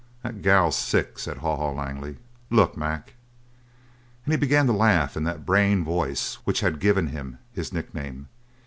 "The gal's sick!" said Haw Haw Langley. "Look, Mac!" And he began to laugh in that braying voice which had given him his nickname.